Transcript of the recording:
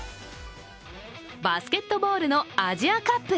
バスケットボールのアジアカップ。